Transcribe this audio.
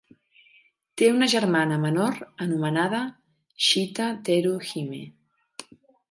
Té una germana menor anomenada Shita-Teru-Hime.